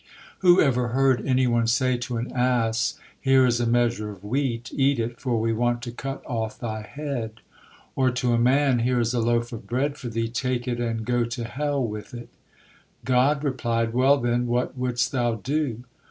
Who ever heard any one say to an ass, 'Here is a measure of wheat; eat it, for we want to cut off they head?' Or to a man, 'Here is a loaf of bread for thee; take it, and go to hell with it?'" God replied: "Well, then, what wouldst thou do?"